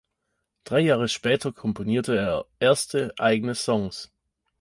Drei Jahre später komponierte er erste eigene Songs.